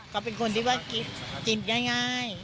เขาเป็นคนที่ว่ากินง่าย